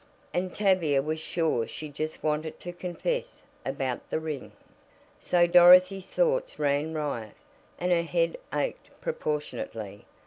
And Tavia was sure she just wanted to confess about the ring. So Dorothy's thoughts ran riot, and her head ached proportionately.